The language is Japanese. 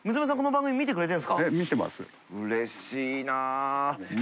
うれしいなぁ。